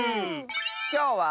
きょうは。